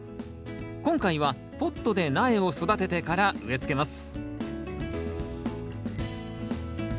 今回はポットで苗を育ててから植え付けます